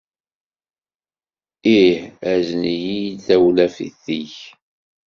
Ih. Azen-iyi-d tawlaft-ik.